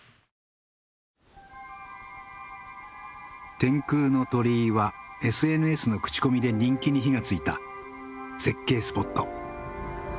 天空の鳥居はＳＮＳの口コミで人気に火がついた絶景スポット。